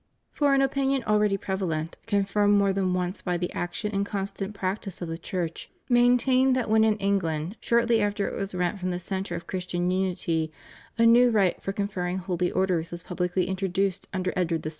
For an opinion already » Heb. xiii. 20. 392 ANGLICAN ORDERS. 393 prevalent, confirmed more than once by the action and constant practice of the Church, maintained that when in England, shortly after it was rent from the centre of Christian unity, a new rite for conferring Holy Orders was publicly introduced under Edward VI.